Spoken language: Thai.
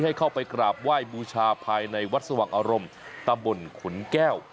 ให้เข้าไปกราบไหว้บูชาภายในวัดสว่างอารมณ์ตำบลขุนแก้ว